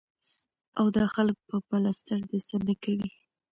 او دا خلک به پلستر د څۀ نه کوي ـ